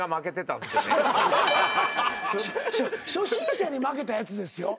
初心者に負けたやつですよ。